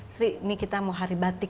sri ini kita mau hari batik